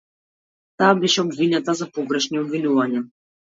Таа беше обвинета за погрешни обвинувања.